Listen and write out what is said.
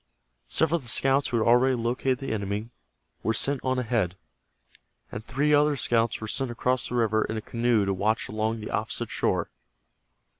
Several of the scouts who had already located the enemy were sent on ahead, and three other scouts were sent across the river in a canoe to watch along the opposite shore.